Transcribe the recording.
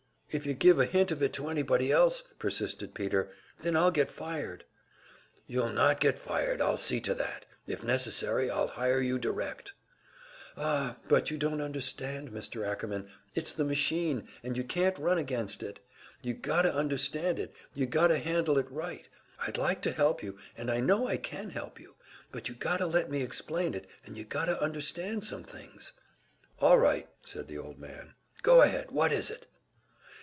"If you give a hint of it to anybody else," persisted Peter, "then I'll get fired." "You'll not get fired, I'll see to that. If necessary I'll hire you direct." "Ah, but you don't understand, Mr. Ackerman. It's a machine, and you can't run against it; you gotta understand it, you gotta handle it right. I'd like to help you, and I know I can help you, but you gotta let me explain it, and you gotta understand some things." "All right," said the old man. "Go ahead, what is it?"